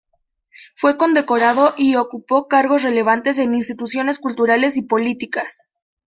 Fue condecorado y ocupó cargos relevantes en instituciones culturales y políticas.